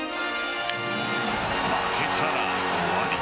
負けたら終わり。